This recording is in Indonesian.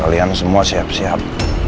kalian semua siap siap